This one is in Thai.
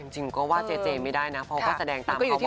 จริงก็ว่าเจเจไม่ได้นะเพราะก็แสดงตามข้อมูล